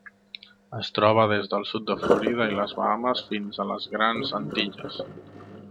Es troba des del sud de Florida i les Bahames fins a les Grans Antilles.